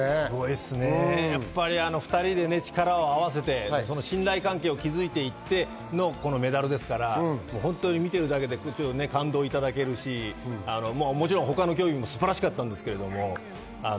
やっぱり２人で力を合わせて信頼関係を築いていってのこのメダルですから、見ているだけで感動をいただけるし、もちろん他の競技も素晴らしかったんですけど。